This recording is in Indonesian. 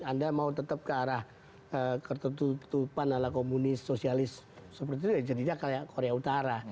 anda mau tetap ke arah ketetutupan ala komunis sosialis seperti itu jadinya kayak korea utara